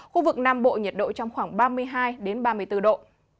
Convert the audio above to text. khu vực nam bộ nhiệt độ trong khoảng ba mươi hai ba mươi bốn độ